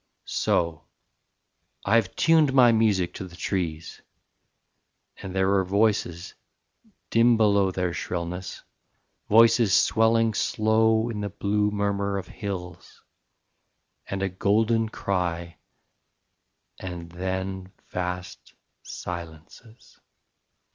So; I have tuned my music to the trees, And there were voices, dim below Their shrillness, voices swelling slow In the blue murmur of hills, and a golden cry And then vast silences.